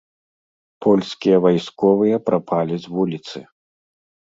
Польскія вайсковыя прапалі з вуліцы.